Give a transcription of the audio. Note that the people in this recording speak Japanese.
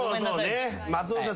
松本さん